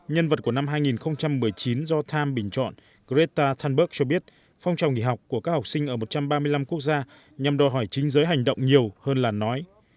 nhân vật của năm hai nghìn một mươi chín do time bình chọn greta thunberg cho biết phong trào nghỉ học của các học sinh ở một trăm ba mươi năm quốc gia nhằm đòi hỏi chính giới hành động nhiều hơn là nói